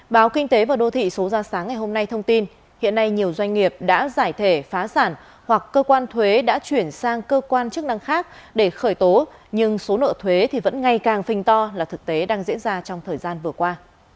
báo kinh tế và đô thị số ra sáng ngày hôm nay thông tin hiện nay nhiều doanh nghiệp đã giải thể phá sản hoặc cơ quan thuế đã chuyển sang cơ quan chức năng khác để khởi tố nhưng số nợ thuế thì vẫn ngày càng phình to là thực tế đang diễn ra trong thời gian vừa qua